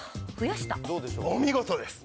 お見事です！